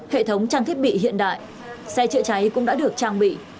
hệ thống trang thiết bị hiện đại xe trịa trái cũng đã được trang bị